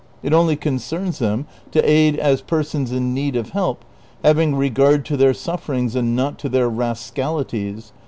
It only concerns them to aid them as persons in need of help, having regard to their sufferings and not to their rascalities.